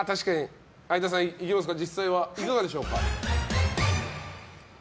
相田さん実際はいかがでしょうか。